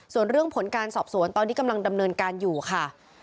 ส่วนเรื่องผลการสอบสวนตอนนี้กำลังดำเนินการอยู่ค่ะ